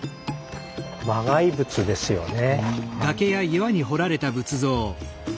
磨崖仏ですよね。